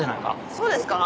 そうですか？